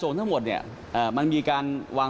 รวมถึงเมื่อวานี้ที่บิ๊กโจ๊กพาไปคุยกับแอมท์ท่านสถานหญิงกลาง